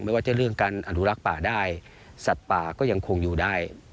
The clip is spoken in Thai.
ไม่ว่าจะเรื่องการอนุรักษ์ป่าได้สัตว์ป่าก็ยังคงอยู่ได้